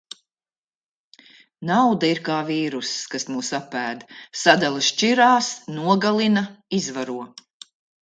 Nauda ir kā vīrsuss, kas mūs apēd. Sadala šķirās, nogalina, izvaro.